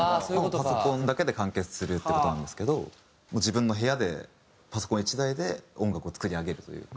パソコンだけで完結するって事なんですけど自分の部屋でパソコン１台で音楽を作り上げるというか。